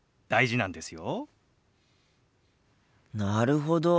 なるほど！